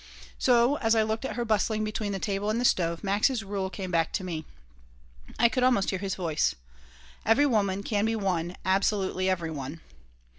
So, as I looked at her bustling between the table and the stove, Max's rule came back to me. I could almost hear his voice, "Every woman can be won, absolutely every one.